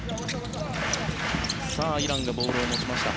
イランがボールを持ちました。